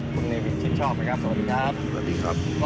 คุณนีวิลชินชอบนะครับสวัสดีครับสวัสดีครับสวัสดีครับ